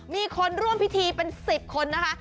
มีคนร่วมพิธีเป็น๑๐คนนะคะ